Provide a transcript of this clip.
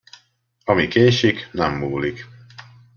Ami késik, nem múlik.